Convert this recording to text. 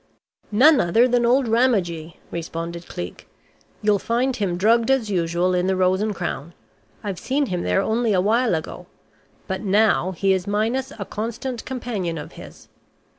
"None other than old Ramagee," responded Cleek. "You'll find him drugged as usual, in the Rose and Crown. I've seen him there only a while ago. But now he is minus a constant companion of his....